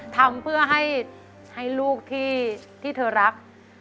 ทำเพื่อให้ลูกที่เธอรัก